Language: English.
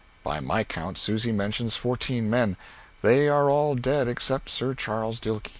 By my count, Susy mentions fourteen men. They are all dead except Sir Charles Dilke.